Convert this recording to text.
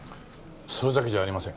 それだけじゃありません。